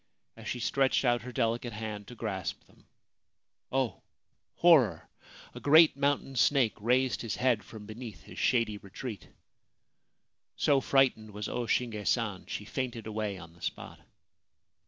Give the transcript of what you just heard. As she stretched out her delicate hand to grasp them — oh, horror !— a great mountain snake raised his head from beneath his shady retreat. So frightened was O Shinge San, she fainted away on the spot.